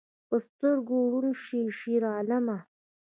په سترګو ړوند شې شیرعالمه